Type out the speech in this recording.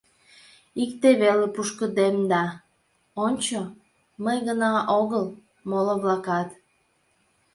Икте веле пушкыдемда: ончо, мый гына огыл, моло-влакат...